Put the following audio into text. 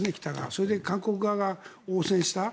それで韓国側が応戦した。